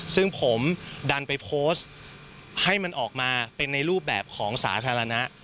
ซึ่งผมดันไปโพสต์ให้มันออกมาเป็นในรูปแบบของสาธารณะ